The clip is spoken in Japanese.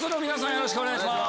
よろしくお願いします。